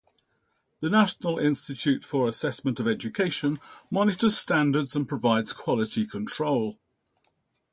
The National Institute for Assessment of Education monitors standards and provides quality control.